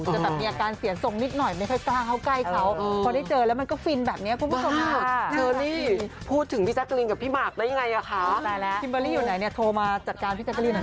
จะแบบมีอาการเสี่ยงสงนิดหน่อยไม่ค่อยมองข้างเขากัน